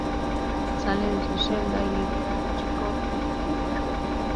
Sale de su celda y libera a Chekov y Uhura.